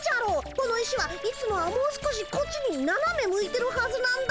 この石はいつもはもう少しこっちにななめ向いてるはずなんだ。